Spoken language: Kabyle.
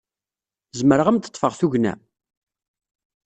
Zemreɣ ad am-d-ḍḍfeɣ tugna?